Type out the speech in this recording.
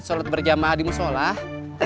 sarut berjamaha di mussolah